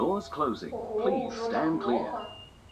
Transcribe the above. Ого, ужо так многа!